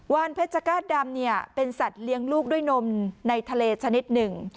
เพชรกาดดำเนี่ยเป็นสัตว์เลี้ยงลูกด้วยนมในทะเลชนิดหนึ่ง